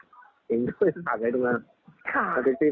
ทิ้งทุกคนด้วยสารไปทุกนั้น